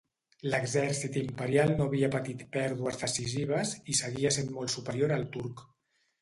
L'exèrcit imperial no havia patit pèrdues decisives, i seguia sent molt superior al turc.